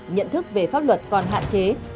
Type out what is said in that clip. nhận thức về pháp luật còn hạn chế